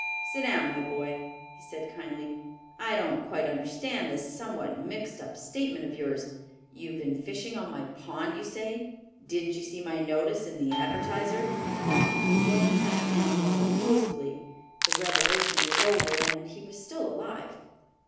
"Sit down, my boy," he said kindly. "I don't quite understand this somewhat mixed up statement of yours. You've been fishing on my pond, you say. Didn't you see my notice in the Advertiser?" Dan sat down more composedly. The revelation was over and he was still alive.